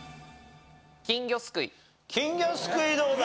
金魚すくいどうだ？